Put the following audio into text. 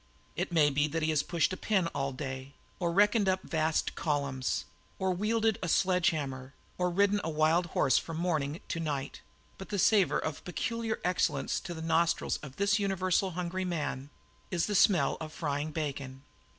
It may be that he has pushed a pen all day, or reckoned up vast columns, or wielded a sledge hammer, or ridden a wild horse from morning to night; but the savour of peculiar excellence to the nostrils of this universal hungry man is the smell of frying bacon.